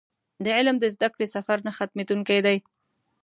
د علم د زده کړې سفر نه ختمېدونکی دی.